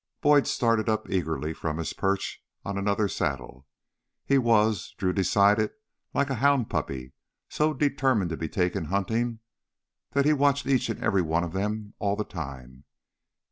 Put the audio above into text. Boyd started up eagerly from his perch on another saddle. He was, Drew decided, like a hound puppy, so determined to be taken hunting that he watched each and every one of them all the time.